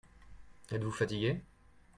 Êtes-vous fatigué ?